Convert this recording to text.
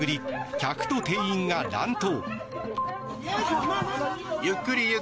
客と店員が乱闘。